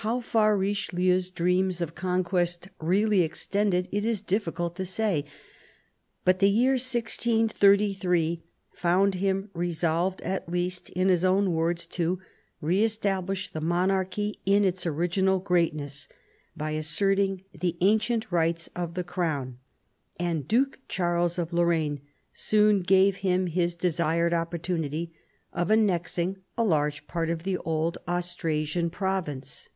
How far Richelieu's dreams of conquest really extended, it is difficult to say. But the year 1633 found him resolved at least, in his own words, to " re establish the monarchy in its original greatness" by asserting "the ancient rights of the Crown "; and Duke Charles of Lorraine soon gave him his desired opportunity of annexing a large part of the old Austrasian province.